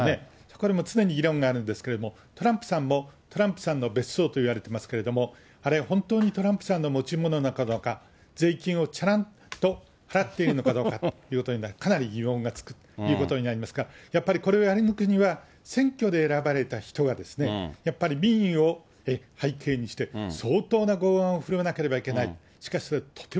これは常に議論があるんですけれども、トランプさんも、トランプさんの別荘といわれてますけれども、あれ本当にトランプさんの持ち物なのかどうか、税金をちゃらんと払っているのかどうかというのが、かなり疑問符が付くということになりますが、やっぱりこれをやり抜くには、選挙で選ばれた人が、やっぱり民意を背景にして相当な剛腕を振るわなければいけない。